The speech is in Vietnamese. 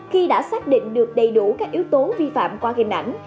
khi đã xác định được đầy đủ các yếu tố vi phạm qua hình ảnh